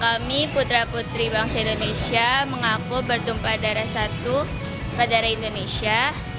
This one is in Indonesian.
kami putra putri bangsa indonesia mengaku bertumpah darah satu padara indonesia